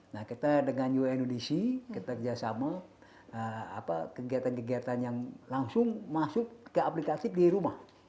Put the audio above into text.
nah kita dengan unodc kita kerjasama kegiatan kegiatan yang langsung masuk ke aplikasi di rumah